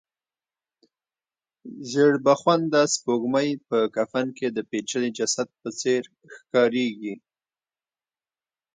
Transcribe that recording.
زېړبخونده سپوږمۍ په کفن کې د پېچلي جسد په څېر ښکاریږي.